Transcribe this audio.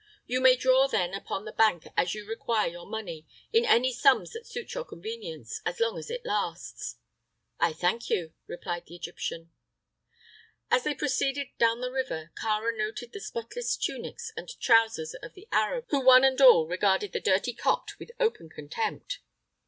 You may draw then upon the bank as you require your money, in any sums that suit your convenience so long as it lasts." "I thank you," replied the Egyptian. As they proceeded down the river, Kāra noted the spotless tunics and trousers of the Arabs, who one and all regarded "the dirty Copt" with open contempt.